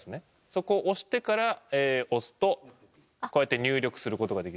そこを押してから押すとこうやって入力する事ができるんですね。